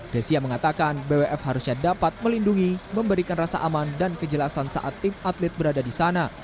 desia mengatakan bwf harusnya dapat melindungi memberikan rasa aman dan kejelasan saat tim atlet berada di sana